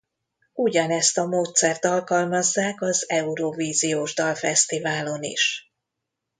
Ugyanezt a módszert alkalmazzák az Eurovíziós Dalfesztiválon is.